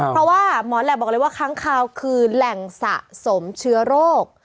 เพราะว่าหมอแหลบบอกเลยว่าค้างคาวคือแหล่งสะสมเชื้อโรค